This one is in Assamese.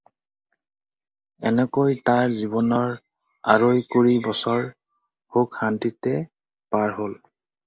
এনেকৈ তাৰ জীৱনৰ আঢ়ৈ কুৰি বছৰ সুখ শান্তিতে পাৰ হ'ল।